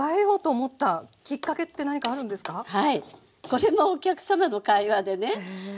これもお客様の会話でね